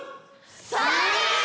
それ！